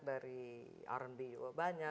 dari rnb juga banyak